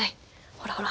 ほらほら。